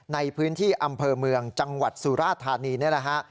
ในพื้นที่อำเภอเมืองจังหวัดสุราธานีนี่แหละฮะ